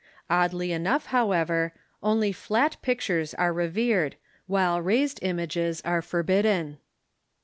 Oddly enough, however, only flat pictures are revered, while raised images are forbidden.